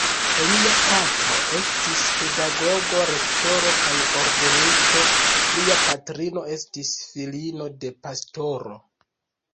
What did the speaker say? Lia patro estis pedagogo, rektoro kaj orgenisto, lia patrino estis filino de pastoro.